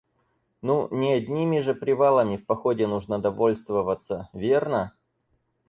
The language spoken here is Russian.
Ну не одними же привалами в походе нужно довольствоваться, верно?